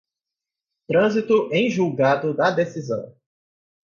trânsito em julgado da decisão